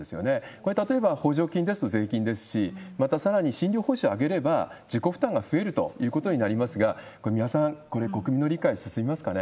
これ、例えば補助金ですと税金ですし、また、さらに診療報酬を上げれば自己負担が増えるということになりますが、これ、三輪さん、これ国民の理解進みますかね？